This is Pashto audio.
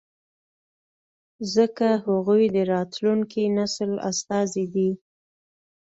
ځکه هغوی د راتلونکي نسل استازي دي.